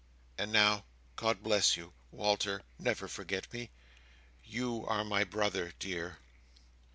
And now, God bless you, Walter! never forget me. You are my brother, dear!"